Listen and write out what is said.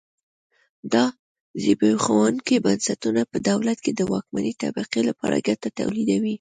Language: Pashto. دا چې زبېښونکي بنسټونه په دولت کې د واکمنې طبقې لپاره ګټه تولیدوي.